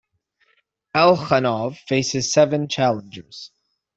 Alkhanov faced seven challengers.